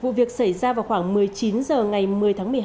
vụ việc xảy ra vào khoảng một mươi chín h ngày một mươi tháng một mươi hai